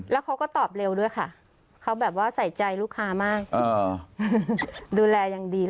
แล้วเขาก็ตอบเร็วด้วยค่ะเขาแบบว่าใส่ใจลูกค้ามากดูแลอย่างดี